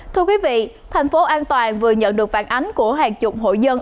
thưa quý vị thành phố an toàn vừa nhận được phản ánh của hàng chục hội dân